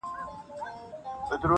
• د غوايی تر سترګو ټوله ځنګل تور سو -